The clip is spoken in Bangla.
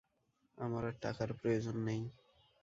আমার আর টাকার প্রয়োজন নেই।